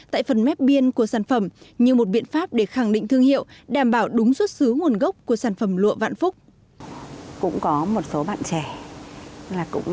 tại phần mép biên của sản phẩm như một biện pháp để khẳng định thương hiệu đảm bảo đúng xuất xứ nguồn gốc của sản phẩm lụa vạn phúc